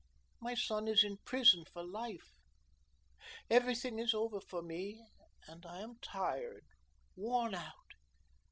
My son is in prison for life, everything is over for me, and I am tired, worn out."